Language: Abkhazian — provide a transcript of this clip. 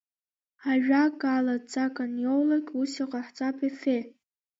Ажәак ала, дҵак аниоулак Ус иҟаҳҵап Ефе!